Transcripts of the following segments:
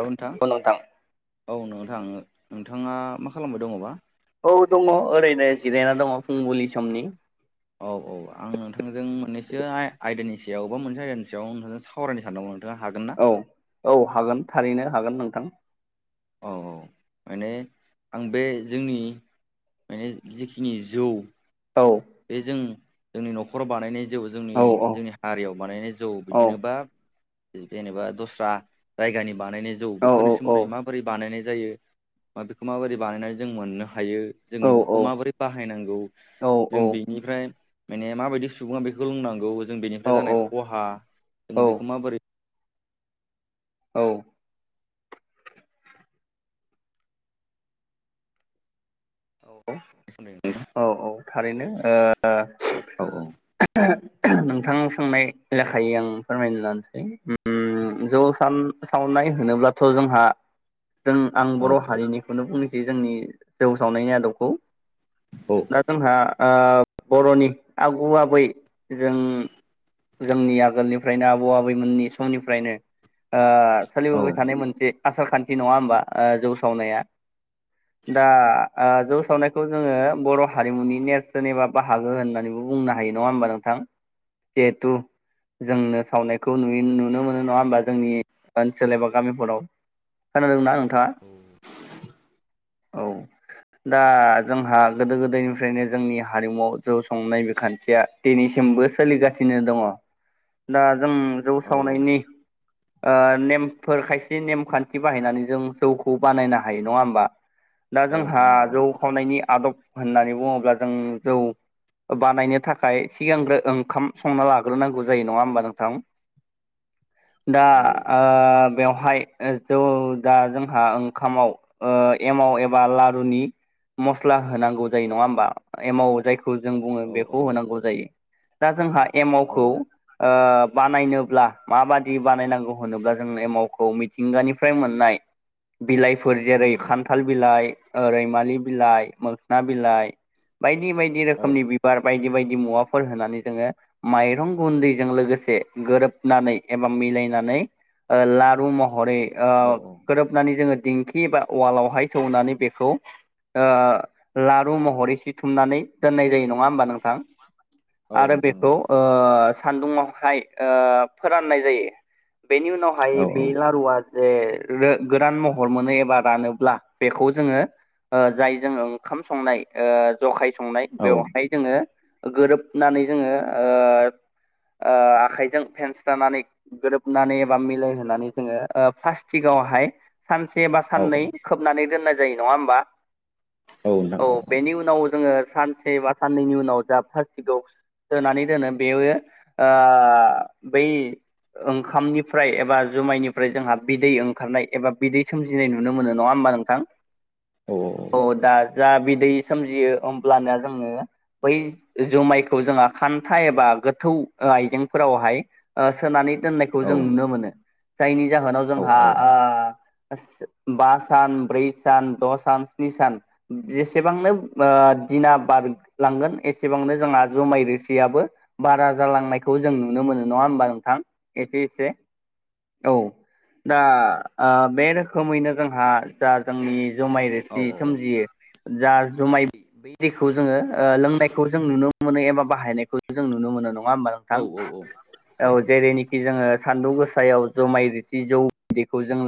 हेल' नोंथां औ नोंथां नोंथाङा मा खालामबाय दङबा? औ दङ ओरैनो जिरायना दङ फुंबिलि समनि। औ औ आं नोंथांजों मोननैसो आयदानि सायाव बबा मोनसे आयदानि सायाव नोंथांजों सावरायनो सानदोंमोन। नोंथाङा हागोन ना औ औ हागोन थारैनो हागोन नोंथां। औ औ माने आं बे जोंनि माने जिखिनि जौ औ बे जों जोंनि न'खराव बानायनाय जौ जोंनि औ औ जोंनि हारियाव बानायनाय जौ औ बिदिनो बा जेनेबा दस्रा जायगानि बानायनाय जौ औ बेफोरनि औ सोमोनदै माबोरै बानायनाय जायो मा बेखौ माबोरै बानायनानै जों मोननो। हायो जों औ मैगंखौ औ माबोरै बाहायनांगौ औ जों बेनिफ्राय माने माबायदि सुबुङा बेखौ लोंनांगौ जों बेनिफ्राय जानाय खहा जों बेखौ माबोरै औ। औ औ औ थारैनो औ औ नोंथां सोंनाय लेखायै आं फोरमायनो लानोसै जौ सावनाय होनोब्लाथ' जोंहा जों आं औ बर' हारिनिखौनो बुंनोसै जोंनि जौ सावनायनि आदबखौ औ दा जोंहा बर'नि आगु आबै जों जोंनि आगोलनिफ्रायनो आबौ आबैमोननि समनिफ्रायनो ओ औ सोलिबोबाय थानाय मोनसे आसार खान्थि नङा होमबा जौ सावनाया दा जौ सावनायखौ जोंङो बर' हारिमुनि नेरसोन एबा बाहागो होननानैबो बुंनो हायो नंङा होमबा नोंथाङा? जेहेथु जोंनो सावनायखौ नु नुनो मोनो नंङा होमबा जोंनि ओनसोल एबा गामिफोराव खोनादोंनाा नोंथांङा औ दा जोंहा गोदो गोदायनिफ्रायनो जोंनि हारिमुआव जौ संनाय बे खान्थिया दिनैसिम सोलिगासिनो दंङो दा जों जौ औ सावनायनि नेमफोर खायसे नेमखान्थि बाहायनानै जों जौखौ बानायनो हायो नंङा होमबा दा औ जोंहा नोंथां जौ औ खावनायनि आदब होननानै बुङोब्ला जों जौ बानायनो थाखाय सिगांग्रो ओंखाम संना लाग्रोनांगौ जायो नंङा होमबा नोंथां दा औ आ बेहाय जोंहा ओंखाम आव एमाव एबा ला नि मसला होनांगौ जायो नङा होनबा जायखौ खौ जों बुंङो औ बेखौ औ होनांगौ जायो दा जोंहा औ एमावखौ बानायनोब्ला माबादि बानायनांगौ होनोब्ला जों एमावखौ मि मिथिंगानिफ्राय मोननाय बिलाइफोर जेरै खान्थाल बिलाइ ओ रैमालि बिलाइ मोखोन बिलाइ बायदि बायदि बायदि औ रोखोमनि बिबार बायदि बायदि मुवाफोर होनानै जोङो माइरं गुन्दैजों लोगोसे गोरोबनानै एबा मिलायनानै लारु महर हरै औ गोरोबनानै दिखि एबा उवाल सनानै खौ लारु महरैसे थुमनानै दोननाय जायो नङा होमबा नोंथां औ आरो नोंथां बेखौ औ सान्दुङावहाय फोराननाय जायो बेनि औ नोंथां उनावहाय औ औ बे ओइ लारुआ जे गोदान महर मोनो एबा रानोब्ला बेखौ जोङो जाय जों ओंखाम संनाय जखाय संनाय औ औ नोंथां बेवहाय जोङो गोरोबनानै जोङो ओ आखाइजों फेनस्रनानै गोरोबनानै एबा मिलायहोनानै जोङो प्लास्टिकआव ह सानसे बा साननै औ खोबनानै दोननाय जायो नङा होमबा औ नंगौ बेनि उनाव जोङो सानसे बा साननैनि उनाव जा पार्स्टिकआव होनानै दोनो बेयो बै ओंखामनिफ्राय एबा जुमायनिफ्राय जोंहा बिदै ओंखारनाय एबा बिदै सोमजिनाय नुनो मोनो नङा औ नोंथां दा बिदै सोमजियो होमब्लाना जोङो बै जुमायखौ जोंहा खान्था एबा गोथौ आइजेंफोरावहाय सोनानै दोननायखौ जों औ नुनो मोनो जायनि जाहोनाव औ जोंहा नोंथां बा सान ब्रै सान द' सान स्नि सान जेसेबांनो दिना बारलांगोन एसेबांनो जोंहा जुमाय रोसिआबो बारा जालांनायखौ जों नुनो मोनो नङा होमबा नोंथां एसे एसे औ दा ओ बे रोखोमैनो जोंहा जा जोंनि जुमाय रोसि औ सोमजियो जा जुमाय बै दैखौ जोङो ओ लोंनायखौ जों नुनो मोनो एबा बाहायनायखौ जों नुनो मोनो नङा होमबा नोंथां औ औ जेरैनिखि खि जोङो सान्दुं गोसायाव जुमाय रोसि जौ बिदैखौ जों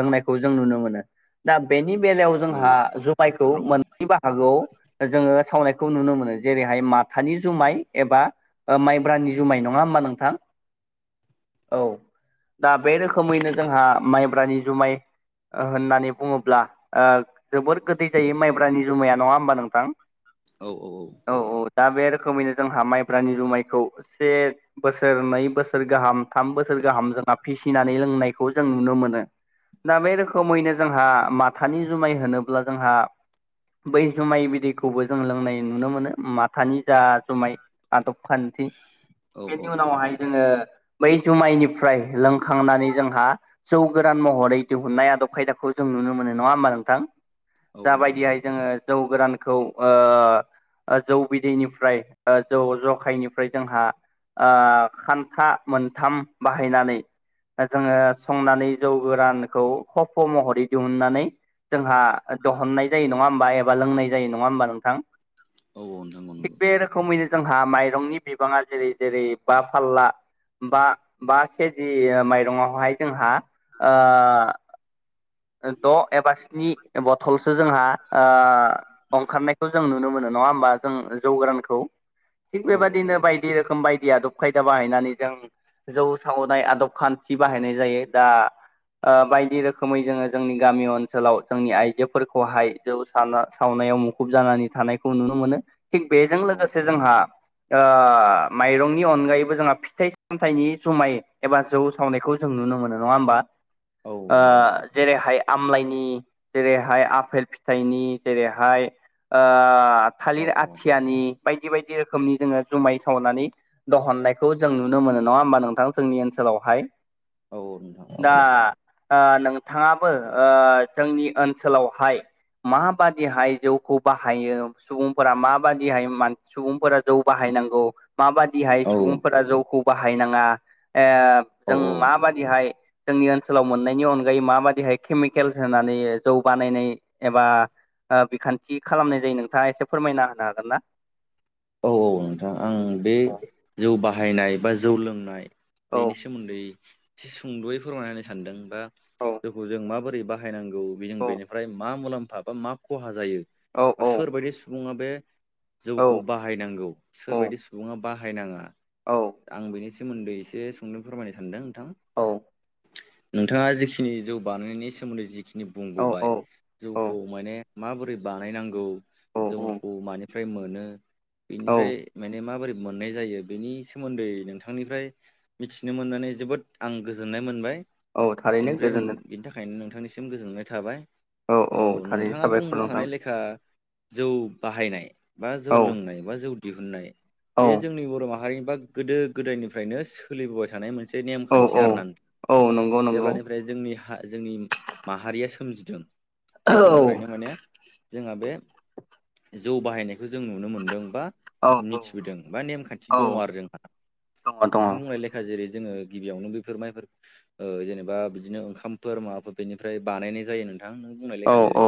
लोंनायखौ जों नुनो मोनो दा बेनि बेलायाव जोंहा जुमायखौ मोननै बाहागोआव जोङो सावनायखौ नुनो मोनो जेरैहाय माथानि जुमाय एबा माइब्रानि जुमाय नङा होमबा नोंथां औ दा बे रोखोमैनो जोंहा माइब्रानि जुमाय होननानै बुङोब्ला ओ जोबोर गोदै जायो माइब्रानि जुमाया नङा होमबा नोंथां औ औ दा बे रोखोमैनो जोंहा माइब्रानि जुमायखौ से बोसोर नै बोसोर गाहाम थाम बोसोर गाहाम फिसिनानै लोंनायखौ जों नुनो मोनो दा बे रोखोमैनो जोंहा माथानि जुमाय होनोब्ला जोंहा बै जुमाय बिदैखौबो जों लोंनाय नुनो मोनो माथानि जा जुमाय आदब खान्थि बेनि उनावहाय जोङो बै जुमायनिफ्राय लोंखांनानै जोंहा जौ गोरान महरै दिहुननाय आदब खायदाखौ जों नुनो मोनो नङा होमबा नोंथां जा बादिहाय जोङो जौ गोरानखौ ओ जौ बिदैनिफ्राय जौ जखायनिफ्राय जोंहा ओ खान्था मोनथाम बाहायनानै जोङो संनानै जौ गोरानखौ खफ' महरै दिहुननानै जोंहा दहननाय जायो नङा होमबा एबा लोंनाय जायो नङा होमबा नोंथां? औ औ नोंथां औ थिग नंगौ। बे रोखोमैनो जोंहा माइरंनि बिबाङा जेरै जेरै बा फारला बा बा केजि माइरंआवहाय जोंहा ओ द' एबा स्नि बथलसो जोंहा ओ ओखारनायखौ जों नुनो मोनो नङा होमबा जों जौ गोरानखौ थिग बेबायदिनो बायदि रोखोम बाय आदब खायदा बाहायनानै जों जौ सावनाय आदब खान्थि बाहायनाय जायो दा ओ बायदि रोखोमै जोङो जोंनि गामियाव ओनसोलाव जोंनि आइजोफोरखौहाय जौ साव सावनायाव मुखुब जानानै थानायखौ नुनो मोनो। थिग बेजों लोगोसे जोंहा ओ माइरंनि अनगायैबो जोंहा फिथाइ सामथाइनि जुमाय एबा जौ सावनायखौ जों नु ओ नुनो मोनो नङा होमबा नोंथां जेरैहाय आमलाइ नि जेरैहाय आफेल फिथाइनि जेरैहाय ओ औ थालिर औ औ आथियानि। बायदि बायदि रोखोमनि जोङो जुमाय सावनानै दहननायखौ जों नुनो मोनो नङा होमबा नोंथां जोंनि ओनसोल आवहाय औ नोंथां औ औ ओ नोंथाङाबो ओ जोंनि ओनसोलावहाय माबादिहाय जौखौ बाहायो सुबुंफोरा माबादिहाय सुबुंफोरा जौ बाहायो नांगौ माबादिहाय औ सुबुंफोरा जौखौ बाहायनाङा ओ औ जों माबादिहाय जोंनि ओनसोलाव मोननायनि अनगायै माबादिहाय केमिकेल होनानै जौ बानायनाय एबा ओ बिखान्थि खालामनाय जायो नोंथाङा एसे फोरमायना होनो हागोन ना? [inaudible] औ औ नोंथां आं बे जौ बाहायनाय बा जौ लोंनाय औ बेनि सोमोन्दै एसे सुंद'यै फोरमायना होनो सानदों बा औ जोंखौ जों माबोरै बाहायनांगौ औ मा मुलामा बा मा खहा जायो औ आरो सोर बायदि सुबुंङा बे औ जौखौ बाहायनांगौ औ सोरबायदि सुबुङा बाहायनाङा औ आं बेनि सोमोन्दै एसे सोंदों फोरमायनो सानदों नोंथां। औ नोंथाङा जिखिनि जौ बानायनायनि सोमोन्दै जिखिनि औ बुंबोबाय जौखौ माने माबोरै बानायनांगौ औ औ जोंखौ मानिफ्राय मोनो औ बेनिफ्राय माने माबोरै मोननाय जायो बेनि सोमोन्दै नोंथांनिफ्राय मिथिनो मोननानै जोबोद आं गोजोननाय मोनबाय। औ थारैनो बेनिफ्राय नों गोजोनथों। बेनि थाखायनो नोंथांनिसिम गोजोननाय थाबाय। औ थारैनो नोंथांङा साबायखर नोंथां बुंबोखानाय लेखा जौ बाहायनाय बा औ जौ लोंनाय बा जौ दिहुननाय औ बे जोंनि बर' माहारिनि बा गोदो गोदायनिफ्रायनो सोलिबोबाय थानाय मोनसे एसे औ नेमखान्थि औ आरोना औ नंगौ नंगौ जेब्लानिफ्राय जोंनि हा जोंनि माहारिया सोमजिदों बे औ समनिफ्रायनो माने जोंहा बे जौ बाहायनायखौ जों नुनो मोनदों। औ मिथि औ बा नेमान्थि औ दंङ आरो जोंहा दङ दङ नोंथां बुंनाय लेखा जेरै जोङो गिबियावनो बेफोर माइफोर ओ जेनेबा बिदिनो ओंखामफोर माबाफोर बेनिफ्राय बानायनाय जायो। नोंथां नों बुंनाय औ लेखा जेरै औ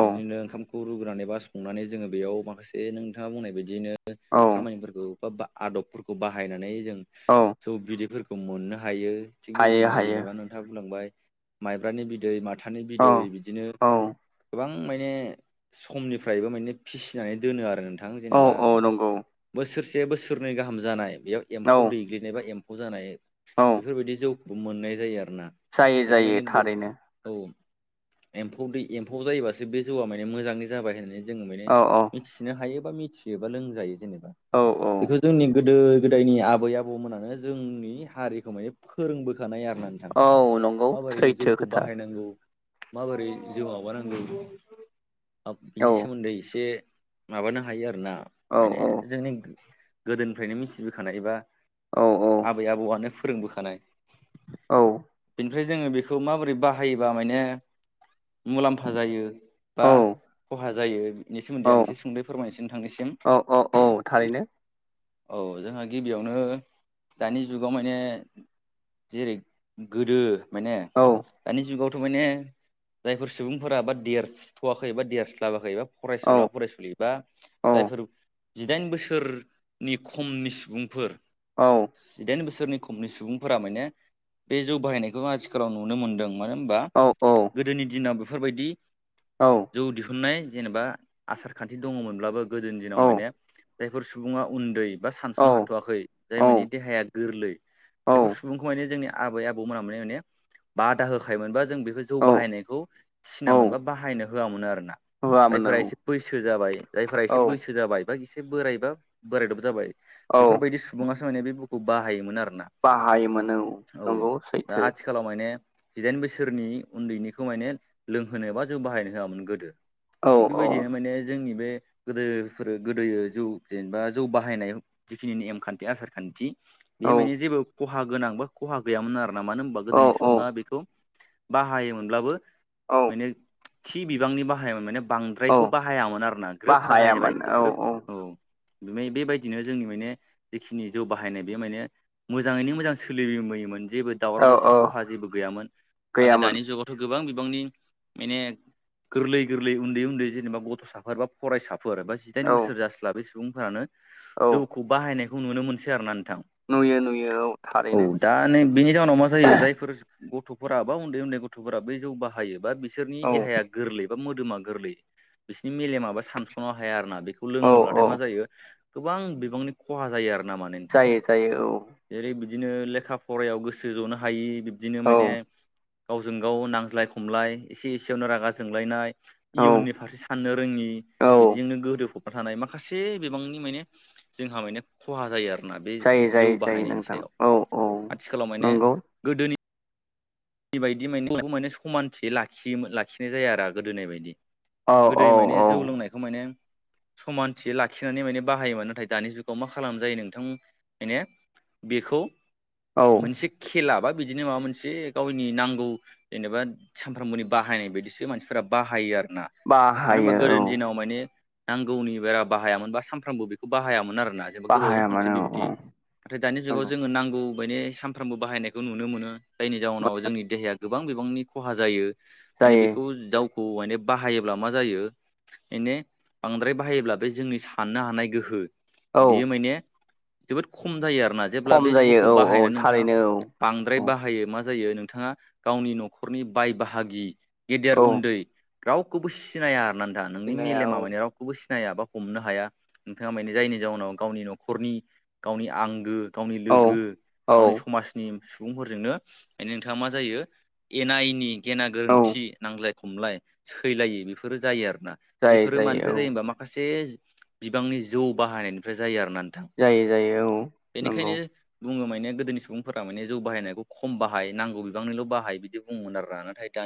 औ ओंखाम खौ रुग्रोनानै बा संनानै जोंङो बेयाव माखासे नोंथांङा बुंनाय बायदियानो औ खामानिफोरखौ बा आदबफोरखौ बाहायनानै जों औ जौ बिदैफोरखौ मोननो हायो थिग हायो बेबायदिनो हायो जेनेबा नोंथांङा बुंलांबाय माइब्रानि बिदै माथा माथानै औ बिदै बिदिनो औ गोबां गोबां माने समनिफ्रायबो माने फिसिनानै दोनो आरो। औ जेनेबा औ नंगौ बोसोरसे बोसोरनै गाहाम जानाय बेयाव औ एम्फौ दैग्लिनाय एबा एमफौ खौ जानाय औ बेफोरबायदि जौखौबो मोननाय जायो आरो जायो जायो थारैनो। औ एम्फौ दै एम्फौ जायोबासो बे जौआ माने मोजाङै जाबाय होननानै। जों माने औ औ मिथिनो हायो बा मिथियोबा लोंजायो जेनेबा औ औ बेखौ जोंनि गोदो गोदायनि आबै आबौमोनानो जोंनि हारिखौ माने फोरोंबोखानाय आरो। औ नंगौ सैथो खोथा। बाहायनांगौ माबोरै जिउ माबानांगौ औ बिनि सोमोन्दै एसे माबानांगौ। हायो आरोना औ माने जोंनि गोदोनिफ्रायनो मिथिबोखानायबा। औ आबै आबौआनो फोरोंबोखानाय औ। ओमफ्राय जोंङो बेखौ माबोरै बाहायोबा माने मुलाम्फा जायो। बा औ खहा जायो बिनि सोमोन्दै आं एसे सुंद औ औ औ थारैनो। औ जोंहा गिबियावनो दानि जुगाव माने जेरै गोदो माने औ दानि जुगावथ' थारमाने जायफोर सुबुंफोरा बा देरसथ'वाखै एबा देरस्लाबाखै एबा। औ फरायसुला फरायसुलि। बा औ जायफोर जिदाइन बोसोरनि खमनि सुबुंफोर। औ औ जिदाइन बोसोर सोरनि खमनि सुबुंफोरा माने बे जौ बाहायनायखौ आथिखालाव नुनो मोन्दों। मानो होनबा औ गोदोनि दिनाव बेफोरबायदि औ जौ दिहुननाय जेनेबा आसार खान्थि दङमोनब्लाबो गोदोनि दिनाव औ माने जायफोर सुबुंङा उन्दै। बा सानस'नो हाथ'वाखै जाय औ मानि देहाया गोरलै औ बेफोर सुबुंखौ माने जोंनि। आबै आबौमोना मोन माने बादा होखायमोनबा। जौ बाहायनायखौ औ बाहायहो होयामोन आरोना होआमोन जायफोरा‌ बैसो जाबाय जायफोरा औ एसे बैसो जाबाय बा एसे बोरायबा बोरायदब जाबाय औ बेफोरबायदि सुबुङासो। माने बे बुकखौ बाहायोमोन आरोना बाहायोमोन औ नंगौ दा सैथो आथिखालाव माने। जिदाइन बोसोरनि उनदैनिखौ माने लोंहोनो बा जौ बाहायनो होयामोन गोदो औ थिग औ बेबायदिनो माने। जोंनि बे गोदोफोर गोदो जौ जेनेबा जौ बाहायनाय जिखिनि नेमखानथि आसार खान्थि औ बे मानि जेबो खहा गोनां बा खहा गैयामोन आरो ना मानो होनबा औ गोदोनि औ सुबुङा बेखौ‌। बाहायोमोनब्लाबो औ माने थि बिबांनि बाहायोमोन माने औ बांद्रायखौ बाहाय। हायामोन आरोना ग्रोब बाहाय जाबाय बाहायामोन औ ग्रोब औ। बेबायदिनो जोंनि माने जिखिनि जौ बाहायनाय बे माने मोजाङैनो मोजां सोलिबोयोमोन। जेबो दावराव औ दावसि औ खहा जेबो गैयामोन नाथाय गैयामोन दानि जुगावथ' गोबां। गोबांनि माने गोरलै गोरलै उनदै उनदै जेनेबा गथ'साफोर एबा फरायसाफोर। बा जिदाइन औ बोसोर जास्लाबै सुबुंफोरानो औ जौखौ बाहायनायखौ नुनो मोनसै आरोना। नुयो नुयो औ औ थारैनो दा नै बेनि जाउनाव मा जायो जायफोर। गथ'फोरा बा उनदै उनदै गथ'फोरा बै जौ बाहायोबा बिसोरनि औ देहाया गोरलै बा मो मोदोमा गोरलै बिसोरनि मेलेमाबा सानस'नो हाया आरो ना बेखौ औ लोङोब्लाथाय औ मा जायो। गोबां बिबांनि खहा जायो आरो। जायो जायो औ। बिदिनो लेखा फरायायाव गोसो जनो हायि बिबदिनो औ माने गावजों गाव नांज्लाय खमलाय एसे एसेयावनो रागा जोंलायनाय औ इयुननि फारसे। साननो रोङि औ बिदिजोंनो गोदोफब थानाय माखासे बिबांनि माने जोंहा माने खहा जायो आरो। बे जायो जौ जायो जायो बाहायनायनि नोंथां सायाव औ औ आथिखालाव माने नंगौ गोदोनि। बिबायदि माने बेखौ माने समानथि लाखि लाखिनाय जाया आरो गोदोनाय बायदि। औ गोदो औ माने जौ औ लोंनायखौ माने। समानथि लाखिनानै माने बाहायोमोन नाथाय दानि जुगाव मा खालामनाय जायो नोंथां माने। बेखौ औ मोनसे खेला बा बिदिनो माबा मोनसे। गावनि नांगौ जेनेबा सानफ्रोमबोनि बाहायनाय बायदिसो मानसिफोरा बाहायो आरो। मानो होनबा बाहायो औ गोदोनि दिनाव मानि। नांगौनि बारा बाहायामोनबा सानफ्रामबो बेखौ बाहायामोन आरो। जेनेबा गोबावजों बाहाया खनसे मानो औ बिबादि नाथाय दानि जुाव नंगौ जोङो नांगौ। माने सानफ्रामबो बाहायनायखौ नुनो मोनो जायनि। जाउनाव जोंनि देहाया गोबां बिबांनि खहा जायो माने जायो बेखौ जौखौ माने बाहायोब्ला मा जायो‌। बेनो बांद्राय बाहायोब्ला बे जोंनि साननो हानाय गोहो। औ बेयो माने जोबोद खम जायो आरो। जेब्ला खम बे जायो जखौ औ औ बाहायनानै नोंथाङा थारैनो बांद्राय औ बाहायो म जायो नोंथाङा गावनि न'खरनि बाय बाहागि गेदेर औ उन्दै रावखौबो सिनाया आरोना नोंनि जोंनाया मेलेमा औ मानि रावखौबो सिनाय। सिनाया बा हमनो हाया नोंथाङा माने जायनि जाउनाव गावनि न'खरनि गावनि आंगो। गावनि औ लोगो औ गावनि समाजनि सुबुंफोरजोंनो। माने नोंथाङा मा जायो एना एनि गेना औ गोरोनथि नांज्लाय खमलाय सैलायो बेफोरो जायो आरो। जायो बेफोरो मानिफ्राय औ जायो हबा माखासे बिबांनि जौ बाहायनायनिफ्राय जायो आरो। आरोना नोंथां जायो जायो औ निखायनो नंगौ बुङो। माने गोदोनि सुबुंफोरा माने जौ बाहायनायखौ खम बाहाय नांगौ बिबांनिल' बाहाय बिदि बुङोमोन आरो नाथाय दानि।